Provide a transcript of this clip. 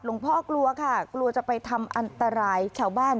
พ่อกลัวค่ะกลัวจะไปทำอันตรายชาวบ้าน